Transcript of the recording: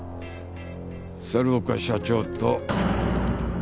猿岡社長と。